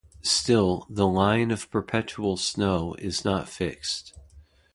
Still, the "line of perpetual snow" is not fixed.